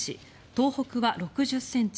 東北は６０ｃｍ